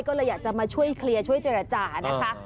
ก็เลยอยากจะมาช่วยเคลียร์ช่วยเจรจานะคะ